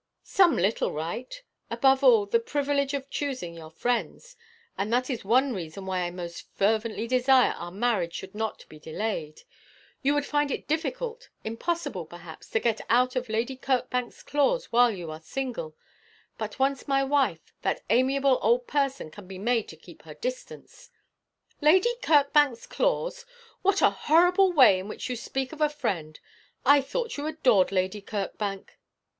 'Some little right; above all, the privilege of choosing your friends. And that is one reason why I most fervently desire our marriage should not be delayed. You would find it difficult, impossible perhaps, to get out of Lady Kirkbank's claws while you are single; but once my wife, that amiable old person can be made to keep her distance.' 'Lady Kirkbank's claws! What a horrible way in which to speak of a friend. I thought you adored Lady Kirkbank.'